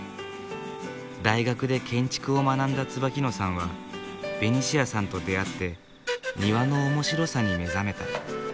大学で建築を学んだ椿野さんはベニシアさんと出会って庭の面白さに目覚めた。